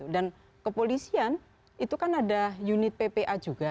dan kepolisian itu kan ada unit ppa juga